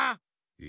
え？